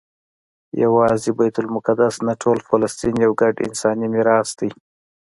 یوازې بیت المقدس نه ټول فلسطین یو ګډ انساني میراث دی.